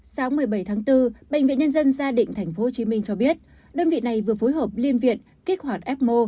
sáng một mươi bảy tháng bốn bệnh viện nhân dân gia định tp hcm cho biết đơn vị này vừa phối hợp liên viện kích hoạt ecmo